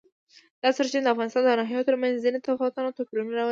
دا سرچینې د افغانستان د ناحیو ترمنځ ځینې تفاوتونه او توپیرونه راولي.